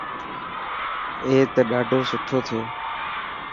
اي ته ڏاڌو سٺو ٿيو.